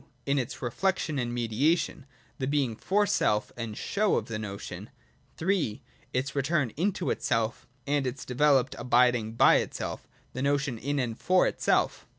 In its reflection and mediation : the being for self and show of the notion. III. In its return into itself, and its developed abid ing by itself: the notion in and for itself.